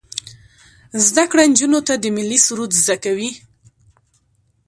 زده کړه نجونو ته د ملي سرود زده کوي.